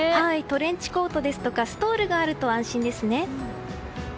トレンチコートですとかストールがあると安心ですね。